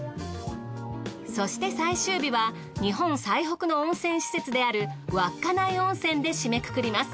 そして最終日は日本最北の温泉施設である稚内温泉で締めくくります。